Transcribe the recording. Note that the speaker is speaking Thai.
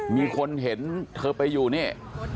มีคนเห็นเธอไปอยู่นี่